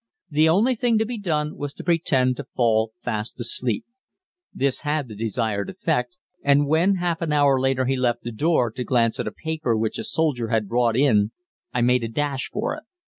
The only thing to be done was to pretend to fall fast asleep. This had the desired effect, and when half an hour later he left the door to glance at a paper which a soldier had brought in, I made a dash for it.